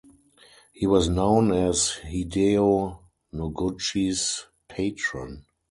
He was known as Hideyo Noguchi's patron.